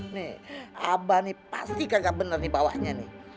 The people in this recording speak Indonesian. nih abah ini pasti kagak bener bawahnya